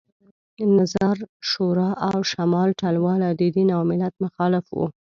نظار شورا او شمال ټلواله د دین او ملت مخالف وو